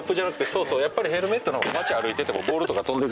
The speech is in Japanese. そうそうやっぱりヘルメットの方が街歩いててもボールとか飛んで。